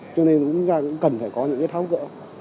cho nên chúng ta cũng cần phải có những cái tháo gỡ